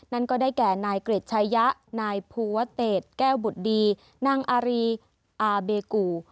นั่นก็ได้แก่นายกริจชายะนายภูวะเตศแก้วบุตรดีนางอารีอาเบกู